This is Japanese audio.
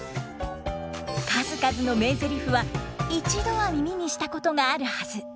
数々の名ゼリフは一度は耳にしたことがあるはず！